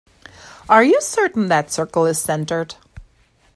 Are you certain that circle is centered?